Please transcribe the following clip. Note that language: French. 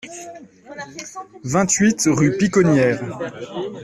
vingt-huit rue Piconnières